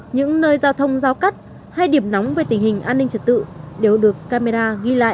những nơi giao thông giao cắt hay điểm nóng về tình hình an ninh trật tự đều được camera ghi lại